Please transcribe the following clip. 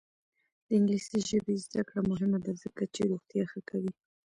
د انګلیسي ژبې زده کړه مهمه ده ځکه چې روغتیا ښه کوي.